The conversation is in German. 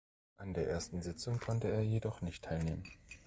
An der ersten Sitzung konnte er jedoch nicht teilnehmen.